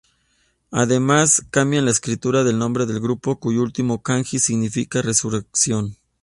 Además cambian la escritura del nombre del grupo, cuyo último kanji 甦 significa "Resurrección".